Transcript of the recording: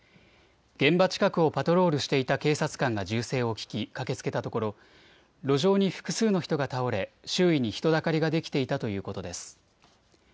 現場近くをパトロールしていた警察官が銃声を聞き駆けつけたところ、路上に複数の人が倒れ、周囲に人だかりができていたということです。